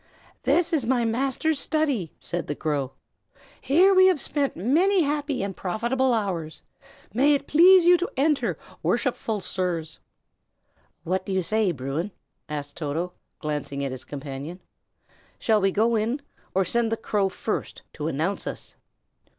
"This is my master's study," said the crow. "Here we have spent many happy and profitable hours. May it please you to enter, worshipful sirs?" "What do you say, Bruin?" asked Toto, glancing at his companion. "Shall we go in, or send the crow first, to announce us?"